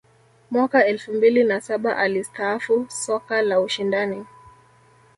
mwaka elfu mbili na saba alistaafu soka la ushindani